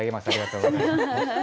ありがとうございます。